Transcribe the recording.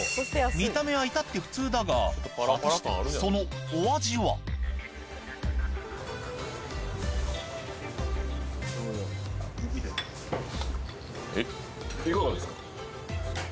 見た目はいたって普通だが果たしてそのお味はいかがですか？